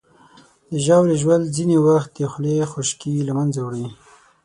د ژاولې ژوول ځینې وخت د خولې خشکي له منځه وړي.